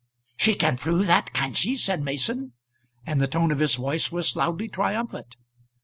"She can prove that, can she?" said Mason, and the tone of his voice was loudly triumphant.